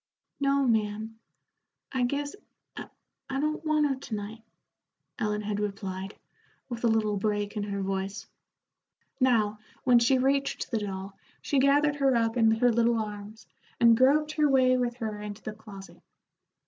"No, ma'am; I guess I don't want her to night," Ellen had replied, with a little break in her voice. Now, when she reached the doll, she gathered her up in her little arms, and groped her way with her into the closet.